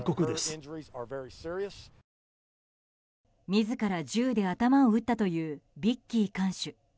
自ら銃で頭を撃ったというビッキー看守。